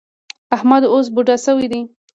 احمد اوس بوډا شوی دی.